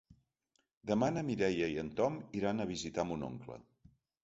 Demà na Mireia i en Tom iran a visitar mon oncle.